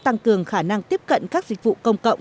tăng cường khả năng tiếp cận các dịch vụ công cộng